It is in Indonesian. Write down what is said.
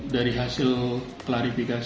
dari hasil klarifikasi